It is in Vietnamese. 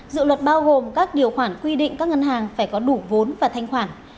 dự luật bao gồm các điều khoản quy định các ngân hàng phải có đủ vốn và thanh khoản